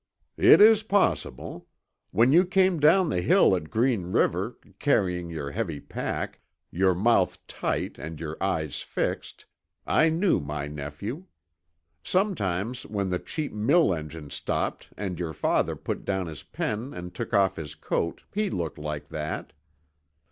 "It is possible. When you came down the hill at Green River, carrying your heavy pack, your mouth tight and your eyes fixed, I knew my nephew. Sometimes when the cheap mill engine stopped and your father put down his pen and took off his coat he looked like that.